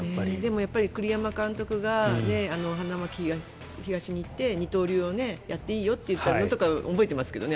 やっぱり栗山監督が花巻東に行って二刀流をやっていいよって言ったのとか覚えてますけどね。